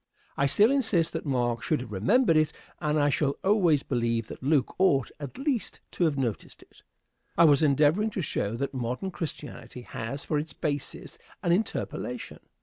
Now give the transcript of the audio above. I still insist that Mark should have remembered it, and I shall always believe that Luke ought, at least, to have noticed it. I was endeavoring to show that modern Christianity has for its basis an interpolation.